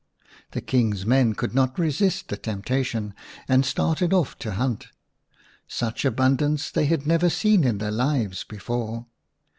The King's men could not resist the temptation, and started off to hunt; such abundance they had never seen in their lives before.